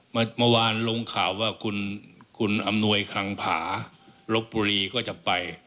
เมื่อวานลงข่าวว่าคุณอำนวยคังผาลบบุรีก็จะไป